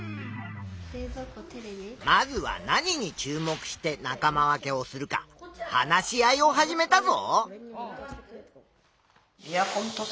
まずは何に注目して仲間分けをするか話し合いを始めたぞ。